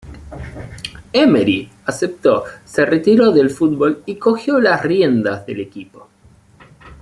Emery aceptó, se retiró del fútbol y cogió las riendas del equipo.